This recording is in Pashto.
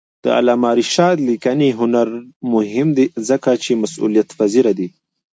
د علامه رشاد لیکنی هنر مهم دی ځکه چې مسئولیتپذیر دی.